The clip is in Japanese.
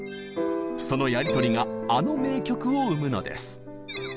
そのやり取りがあの名曲を生むのです。